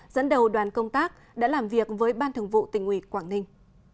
dẫn đầu đoàn công tác đã làm việc với ban thường vụ tỉnh ủy quảng ninh